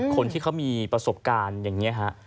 คนที่เขามีประสบการณ์อย่างนี้ฮะ